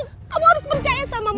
bella kamu harus percaya sama mama